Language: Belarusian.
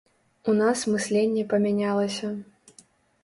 У нас мысленне памянялася.